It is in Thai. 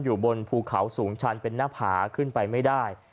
อยู่บนภูเขาสูงชันเป็นหน้าผาขึ้นไปไม่ได้